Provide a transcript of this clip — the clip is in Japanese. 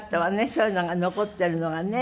そういうのが残っているのがね。